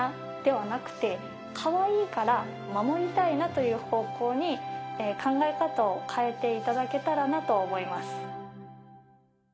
という方向に考え方を変えていただけたらなと思います。